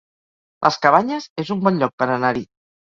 Les Cabanyes es un bon lloc per anar-hi